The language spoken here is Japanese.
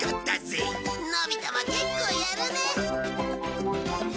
のび太も結構やるね。